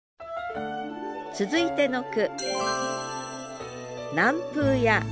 続いての句